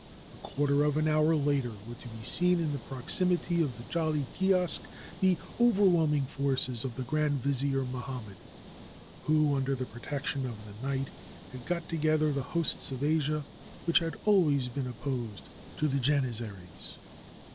A quarter of an hour later were to be seen in the proximity of the Jali Kiosk the overwhelming forces of the Grand Vizier Muhammad, who, under the pro tection of the night, had got together the hosts of Asia, which had always been opposed to the Janizaries.